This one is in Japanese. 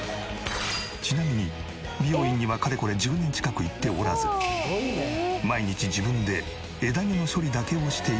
ちなみに美容院にはかれこれ１０年近く行っておらず毎日自分で枝毛の処理だけをしているとの事。